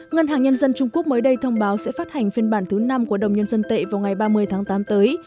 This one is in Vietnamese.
ngân hàng nhân dân trung quốc mới đây thông báo sẽ phát hành phiên bản thứ năm của đồng nhân dân tệ vào ngày ba mươi tháng tám tới